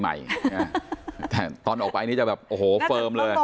ตอนออกไปนี่จะแบบโอ้โหเฟิร์มเลย